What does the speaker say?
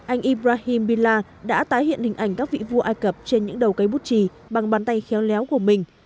anh ibrahim bilal đã tái hiện hình ảnh các vị vua ai cập trên những đầu cây bút chì bằng bàn tay khéo léo của mình